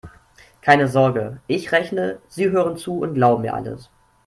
Keine Sorge: Ich rechne, Sie hören zu und glauben mir alles.